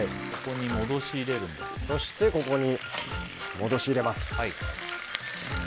戻し入れます。